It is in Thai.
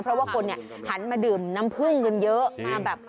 เพราะว่าคนหันมาดื่มน้ำพึ่งขึ้นเยอะ